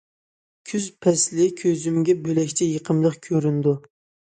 كۈز پەسلى كۆزۈمگە بۆلەكچە يېقىملىق كۆرۈنىدۇ.